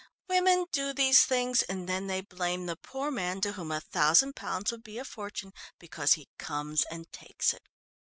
"Women do these things, and then they blame the poor man to whom a thousand pounds would be a fortune because he comes and takes it.